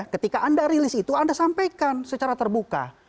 ketika anda rilis itu anda sampaikan secara terbuka